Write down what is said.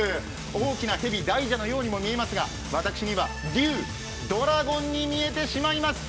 大きな蛇、大蛇のようにも見えますが、私には竜ドラゴンに見えてしまいます。